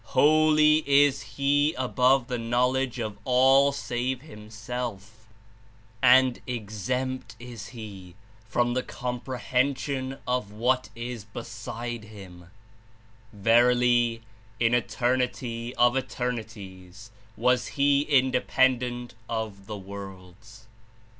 Holy is He above the knowledge of all save Himself, and exempt Is He 83 from the comprehension of what Is beside Him; verily, In Eternity of Eternities was He Independent of the worlds."